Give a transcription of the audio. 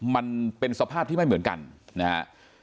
มันเป็นสภาพที่ไม่เหมือนกันนะฮะ